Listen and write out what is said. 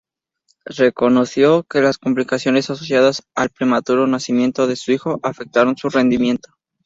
Reconoció que las complicaciones asociadas al prematuro nacimiento de su hijo afectaron su rendimiento.